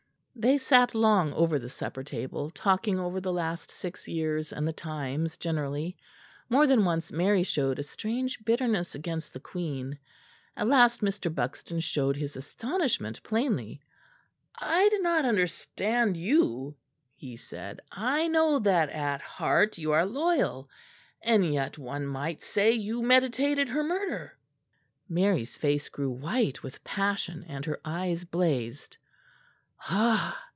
They sat long over the supper table, talking over the last six years and the times generally. More than once Mary showed a strange bitterness against the Queen. At last Mr. Buxton showed his astonishment plainly. "I do not understand you," he said. "I know that at heart you are loyal; and yet one might say you meditated her murder." Mary's face grew white with passion and her eyes blazed. "Ah!"